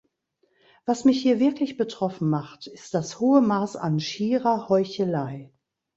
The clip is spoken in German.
Was mich hier wirklich betroffen macht, ist das hohe Maß an schierer Heuchelei.